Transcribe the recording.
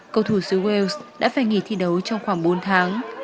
cầu thủ xứ wales đã phải nghỉ thi đấu trong khoảng bốn tháng